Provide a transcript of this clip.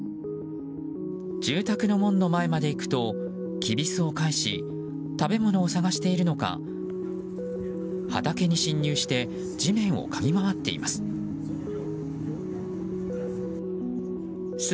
住宅の門の前まで行くときびすを返し食べ物を探しているのか畑に侵入して地面を嗅ぎまわっています。